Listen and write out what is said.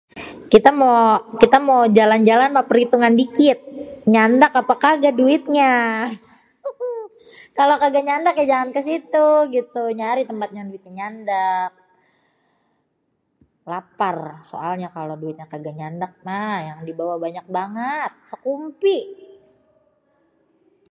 Kita mao jalan-jalan mah peritungan dikit, nyandak apa kaga duitnya. Kalo kaga nyandak ya jangan kesitu gitu, nyari yang tempat yang bikin nyandak. Lapar soalnya kalo duitnya kaga nyandak mah, yang dibawa banyak banget, sekumpi.